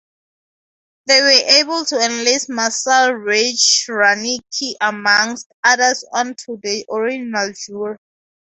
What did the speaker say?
They were able to enlist Marcel Reich-Ranicki amongst others onto the original jury.